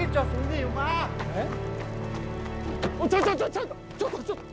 ちょっちょっちょっと！